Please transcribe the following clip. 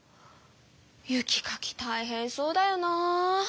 雪かきたいへんそうだよなぁ。